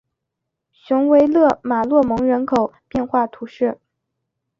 雄维勒马洛蒙人口变化图示